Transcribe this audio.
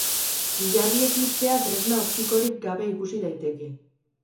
Ilargi-eklipsea tresna optikorik gabe ikusi daiteke.